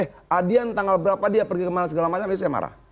eh adian tanggal berapa dia pergi kemana segala macam itu saya marah